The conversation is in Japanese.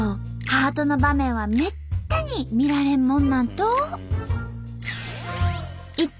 ハートの場面はめったに見られんもんなんと。